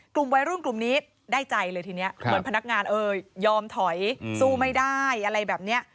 กลุ่มวัยรุ่นกลุ่มนี้ได้ใจเลยทีนี้เหมือนพนักงานยอมถอยสู้ไม่ได้อะไรแบบนี้